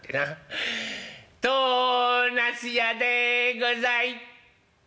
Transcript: となすやでござい！